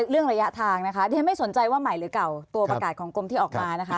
เรื่องระยะทางเดี๋ยวไม่สนใจว่าใหม่หรือเก่าตัวประกาศของกลุ่มที่ออกมา